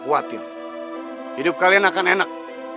jawab dinda naungulan